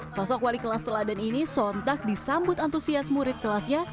sosok wali kelas teladan ini sontak disambut antusias murid kelasnya